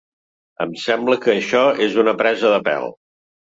Em sembla que això és una presa de pèl!